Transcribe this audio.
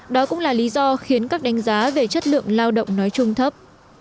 đó cũng là lý do khiến các đánh giá về chất lượng lao động nói chung thấp